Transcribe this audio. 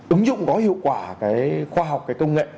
ứng dụng có hiệu quả khoa học công nghệ